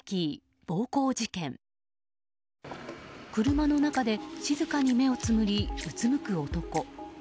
車の中で静かに目をつむりうつむく男。